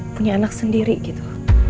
punya anak sendiri gitu